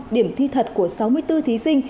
điểm thi thật của sáu mươi bốn thí sinh